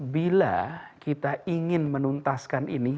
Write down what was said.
bila kita ingin menuntaskan ini